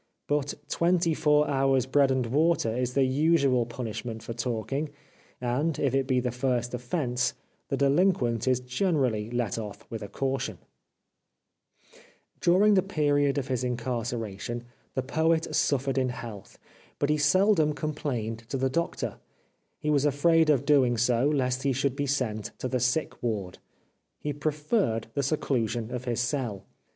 But twenty four hours' bread and water is the usual punishment for talking, and, if it be the first offence, the de linquent is generally let off with a caution. 1 The writer, it should be remembered, is a prison warder 392 The Life of Oscar Wilde During the period of his incarceration the Poet suffered in health, but he seldom com plained to the doctor. He was afraid of doing so lest he should be sent to the sick ward. He preferred the seclusion of his cell.